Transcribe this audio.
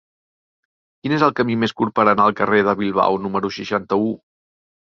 Quin és el camí més curt per anar al carrer de Bilbao número seixanta-u?